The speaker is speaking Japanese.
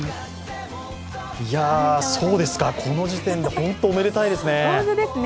いやそうですか、この時点で、本当におめでたいですね。